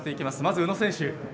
まずは宇野選手。